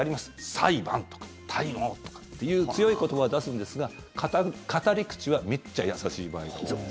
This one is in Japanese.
裁判とか滞納とかっていう強い言葉を出すんですが語り口はめっちゃ優しい場合が多いです。